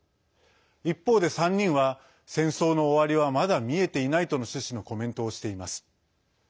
一方で３人は、戦争の終わりはまだ見えていないとの趣旨のコメントをしています。